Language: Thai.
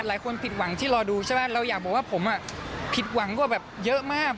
หลายคนผิดหวังที่รอดูใช่ไหมเราอยากบอกว่าผมผิดหวังกว่าแบบเยอะมาก